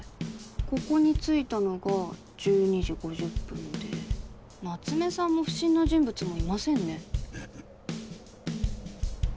ここに着いたのが１２時５０分で夏目さんも不審な人物もいませんね。